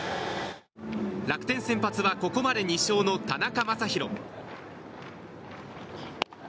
楽天、先発はここまで２勝の田中将大。